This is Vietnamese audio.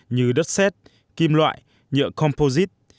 như đất xét kim loại nhựa composite